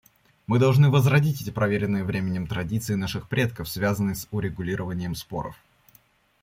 Мы должны возродить эти проверенные временем традиции наших предков, связанные с урегулированием споров.